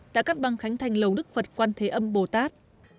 đã cắt băng khánh thành lầu đức phật quan thế âm bồ tát